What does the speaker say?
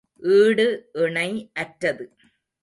ஈடு இணை அற்றது.